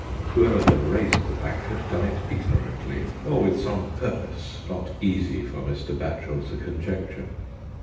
Whoever had raised the bank had done it ignorantly, or with some purpose not easy for Mr. Batchel to conjecture.